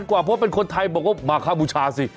เพราะว่าเป็นคนไทยบอกว่ามาค่าบูชาสิ